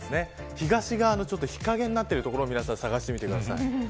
東側の日影になっている所皆さん探してみてください。